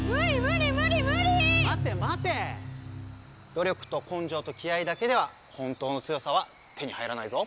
努力とこんじょうと気合いだけでは本当の強さは手に入らないぞ。